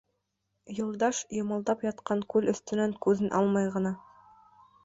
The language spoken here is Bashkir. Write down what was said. Юлдаш, йымылдап ятҡан күл өҫтөнән күҙен алмай ғына: